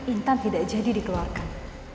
intan tidak jadi dikeluarkan